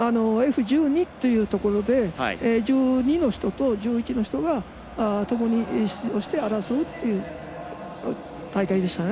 Ｆ１２というところで１２の人と１１の人がともに出場して争うという大会でしたね。